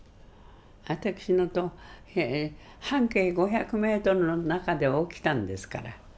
私の半径５００ｍの中で起きたんですから。